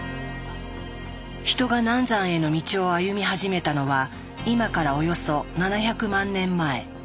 ヒトが難産への道を歩み始めたのは今からおよそ７００万年前。